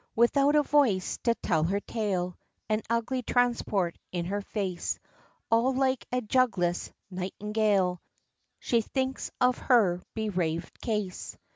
Without a voice to tell her tale, And ugly transport in her face; All like a jugless nightingale, She thinks of her bereavèd case.